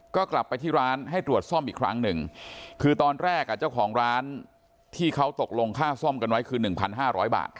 ก็กลับไปที่ร้านให้ตรวจซ่อมอีกครั้งหนึ่งคือตอนแรกอ่ะเจ้าของร้านที่เขาตกลงค่าซ่อมกันไว้คือหนึ่งพันห้าร้อยบาท